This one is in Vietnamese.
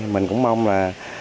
mình cũng mong là